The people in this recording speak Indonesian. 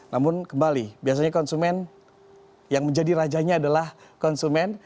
namun kembali biasanya konsumen yang menjadi rajanya adalah konsumen